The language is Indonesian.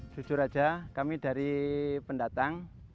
jujur saja kami dari pendatang